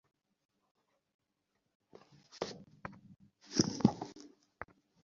আমাদের ধনীরাও অনুরূপ বলিয়া থাকেন, প্রত্যেক দেশের উৎপীড়করাও এইরূপ বলে।